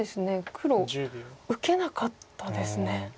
黒受けなかったですね。